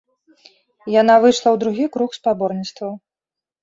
Яна выйшла ў другі круг спаборніцтваў.